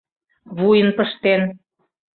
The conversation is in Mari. вуйын пыштен